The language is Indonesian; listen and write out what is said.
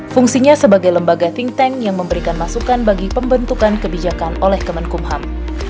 fungsinya sebagai lembaga think tank yang memberikan masukan bagi pembentukan kebijakan oleh kementerian hukum dan ham